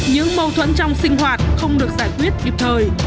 những mâu thuẫn trong sinh hoạt không được giải quyết kịp thời